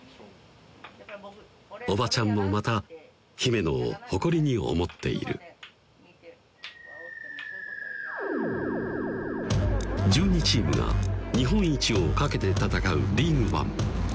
おばちゃんもまた姫野を誇りに思っている１２チームが日本一を懸けて戦うリーグワン